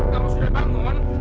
kamu sudah bangun